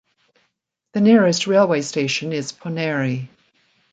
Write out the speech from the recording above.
The nearest railway station is Ponneri.